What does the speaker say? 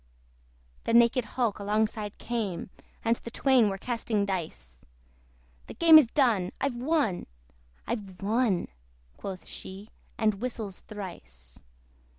The naked hulk alongside came, And the twain were casting dice; "The game is done! I've won! I've won!" Quoth she, and whistles thrice.